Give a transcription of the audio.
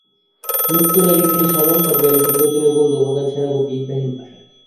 মৃত্যুর আগে তিনি স্মরণ করবেন দীর্ঘদিনের বন্ধু ও প্রধান সেনাপতি ইব্রাহিম পাশাকে।